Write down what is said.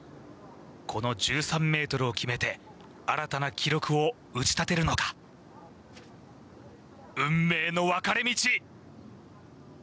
この１３ｍを決めて新たな記録を打ち立てるのか運命の分かれ道